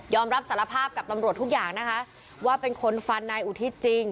รับสารภาพกับตำรวจทุกอย่างนะคะว่าเป็นคนฟันนายอุทิศจริง